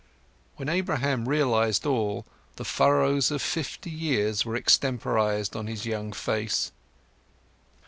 When Abraham realized all, the furrows of fifty years were extemporized on his young face.